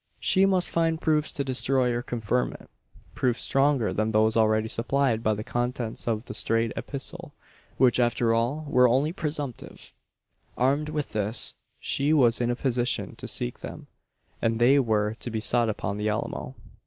She must find proofs to destroy, or confirm it proofs stronger than those already supplied by the contents of the strayed epistle, which, after all, were only presumptive. Armed with this, she was in a position to seek them; and they were to be sought upon the Alamo.